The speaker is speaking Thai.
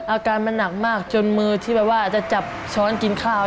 อาการมันหนักมากจนมือที่แบบว่าจะจับช้อนกินข้าว